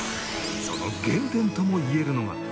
その原点ともいえるのが